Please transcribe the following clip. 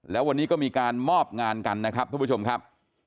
แล้ววันนี้ก็มีการมอบงานกันนะครับทุกผู้ชมครับ